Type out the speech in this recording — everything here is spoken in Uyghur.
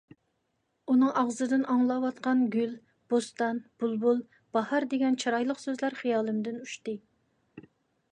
ئۇنىڭ ئاغزىدىن ئاڭلاۋاتقان گۈل، بوستان، بۇلبۇل، باھار دېگەن چىرايلىق سۆزلەر خىيالىمدىن ئۇچتى.